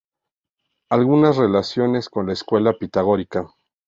Algunos la relacionan con la escuela pitagórica.